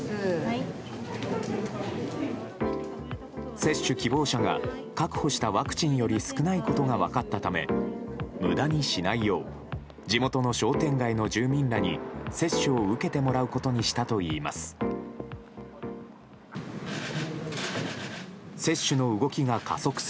接種希望者が確保したワクチンより少ないことが分かったため無駄にしないよう地元の商店街の住民らに接種を受けてもらうことにしたといいます。